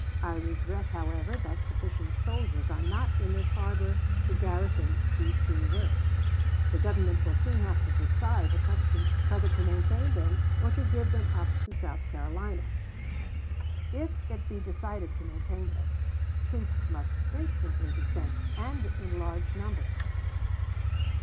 I regret, however, that sufficient soldiers are not in this harbor to garrison these two works. The Government will soon have to decide the question whether to maintain them or to give them up to South Carolina. If it be decided to maintain them, troops must instantly be sent and in large numbers."